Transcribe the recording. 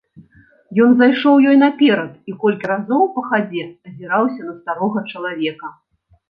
Ён зайшоў ёй наперад і колькі разоў, па хадзе, азіраўся на старога чалавека.